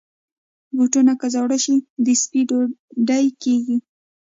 بوټونه که زاړه شي، د سپي ډوډۍ کېږي.